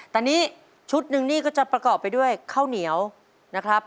แต่นี่ชุดหนึ่งนี่ก็จะประกอบไปด้วยข้าวเหนียวนะครับ